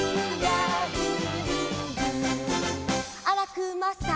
「あらくまさん」